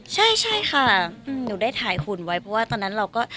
ใช่ใช่ค่ะหนูได้ถ่ายหุ่นไว้เพราะว่าตอนนั้นเราก็